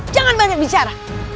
jangan banyak bicara